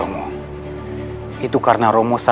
sering tempat bahkan harapan raya